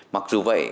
mặc dù vậy